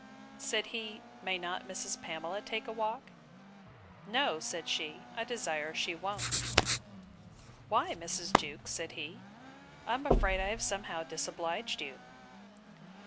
Said he, May not Mrs. Pamela take a walk?—No, said she; I desire she won't. Why, Mrs. Jewkes? said he: I am afraid I have somehow disobliged you.